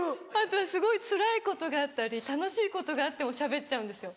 私すごいつらいことがあったり楽しいことがあってもしゃべっちゃうんですよ。